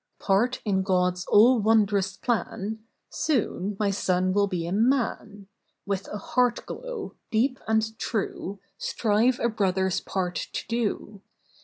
"Part in God's all won'drous plan, Soon my son will be a man. With a heart glow deep and true, Strive a brother's part to do.